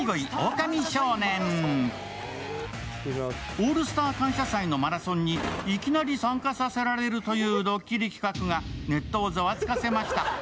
「オールスター感謝祭」のマラソンにいきなり参加させられるというドッキリ企画がネットをザワつかせました。